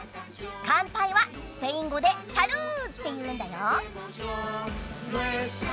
かんぱいはスペイン語で「サルー」っていうんだよ。